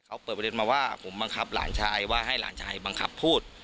เขาเปิดประเด็นมาว่าผมบังคับหลานชายว่าให้หลานชายบังคับพูด